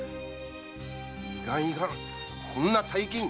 いかんいかんこんな大金受け取れん！